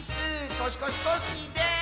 コシコシコッシーです！